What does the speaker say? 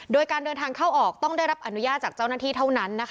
โดยการเดินทางเข้าออกต้องได้รับอนุญาตจากเจ้าหน้าที่เท่านั้น